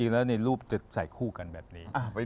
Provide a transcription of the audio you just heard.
แล้วในรูปจะใส่คู่กันแบบนี้